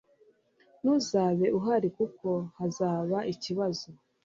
Ntuzabe uhari kuko hazaba ikibazo